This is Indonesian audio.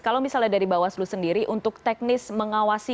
kalau misalnya dari bawah selu sendiri untuk teknis mengawasi